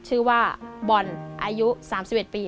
ชื่อว่าบอลอายุ๓๑ปี